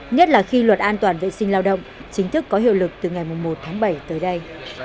nhất là khi luật an toàn vệ sinh lao động chính thức có hiệu lực từ ngày một tháng bảy tới đây